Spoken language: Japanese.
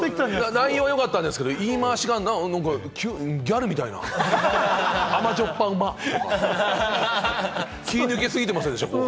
内容は良かったんですけれども、言い回しが何かギャルみたいで、甘じょっぱ！、うまっ！とか、気が抜けすぎてるでしょ。